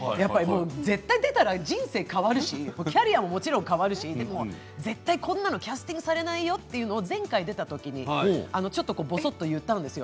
絶対、出たら人生変わるしキャリアももちろん変わるしでも絶対こんなのキャスティングされないよというのを前回出た時にちょっとぼそっと言ったんですよ。